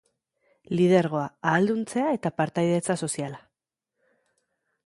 Lidergoa, ahalduntzea, eta partaidetza soziala.